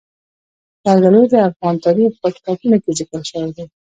زردالو د افغان تاریخ په کتابونو کې ذکر شوی دي.